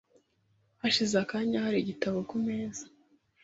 Hashize akanya hari igitabo ku meza?